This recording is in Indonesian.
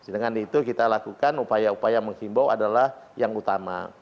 dengan itu kita lakukan upaya upaya menghimbau adalah yang utama